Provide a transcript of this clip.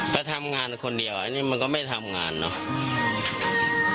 แต่ทำงานคนเดียวอันนี้มันก็ไม่ทำงานเนอะ